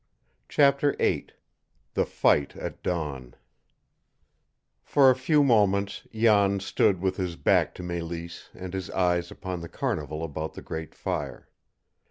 CHAPTER VIII THE FIGHT AT DAWN For a few moments Jan stood with his back to Mélisse and his eyes upon the carnival about the great fire.